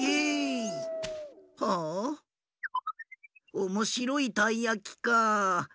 おもしろいたいやきかあ。